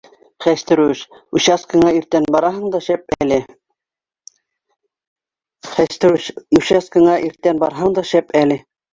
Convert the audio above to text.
— Хәстрүш, участкаңа иртән барһаң да шәп әле